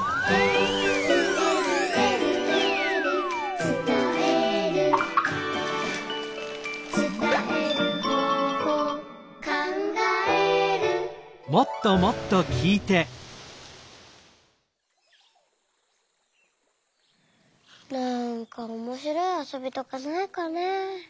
「えるえるえるえる」「つたえる」「つたえる方法」「かんがえる」なんかおもしろいあそびとかないかねえ。